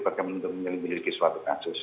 pada menentukan penyelidik kita